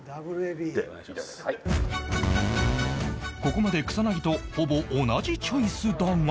ここまで草薙とほぼ同じチョイスだが